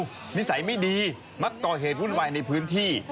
นิสัยไม่ดีมักก่อเหตุวุ่นวายในพื้นที่